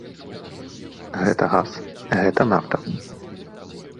Гэта газ, гэта нафта.